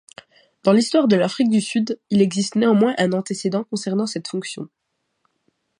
Dans l'histoire de l'Afrique du Sud, il existe néanmoins un antécédent concernant cette fonction.